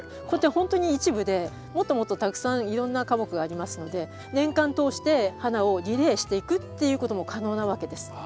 これってほんとに一部でもっともっとたくさんいろんな花木がありますので年間通して花をリレーしていくっていうことも可能なわけです。